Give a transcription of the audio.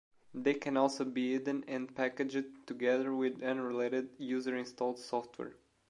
They can also be hidden and packaged together with unrelated user-installed software.